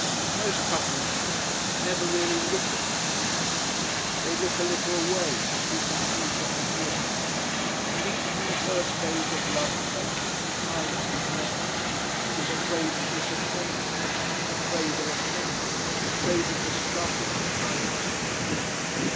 Most coupled people never really look at one another. They look a little away to preconceived ideas. And each from the first days of love making HIDES from the other, is afraid of disappointing, afraid of offending, afraid of discoveries in either sense.